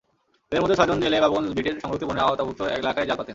এঁদের মধ্যে ছয়জন জেলে বাবুগঞ্জ বিটের সংরক্ষিত বনের আওতাভুক্ত এলাকায় জাল পাতেন।